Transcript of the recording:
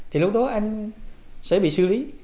thì lúc đó anh sẽ bị xử lý